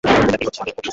এটা কী হচ্ছে মবি।